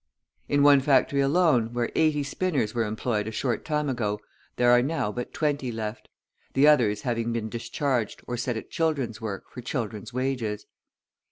In one factory alone, where eighty spinners were employed a short time ago, there are now but twenty left; the others having been discharged or set at children's work for children's wages.